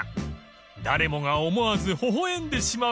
［誰もが思わず微笑んでしまう］